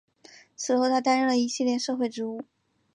此后他担任了一系列社会职务。